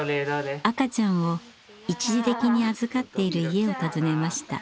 赤ちゃんを一時的に預かっている家を訪ねました。